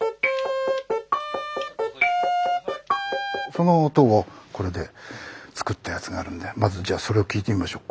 その音をこれで作ったやつがあるんでまずじゃそれを聴いてみましょう。